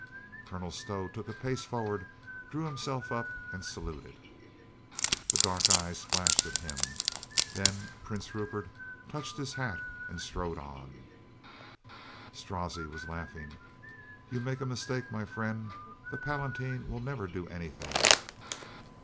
Colonel Stow took a pace forward, drew himself up and saluted. The dark eyes flashed at him. Then Prince Ru pert touched his hat and strode on. Strozzi was laughing. "You make a mistake, my friend. The Palatine will never do anything."